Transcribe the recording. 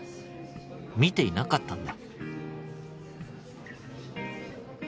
「見ていなかったんだ」